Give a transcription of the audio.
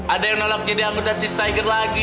ada yang nolak jadi anggota cheers tiger lagi